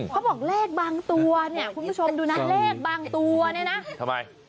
เขาบอกเลขบางตัวเนี่ยคุณผู้ชมดูนะเลขบางตัวเนี่ยนะทำไม